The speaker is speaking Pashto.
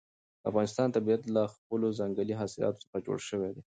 د افغانستان طبیعت له خپلو ځنګلي حاصلاتو څخه جوړ شوی دی.